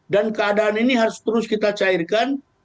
dan keadaan ini harus terus kita cairkan